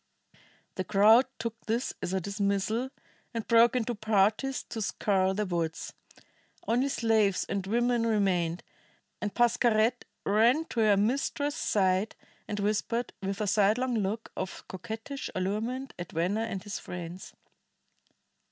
The crowd took this as a dismissal, and broke into parties to scour the woods. Only slaves and women remained, and Pascherette ran to her mistress's side and whispered, with a sidelong look of coquettish allurement at Venner and his friends.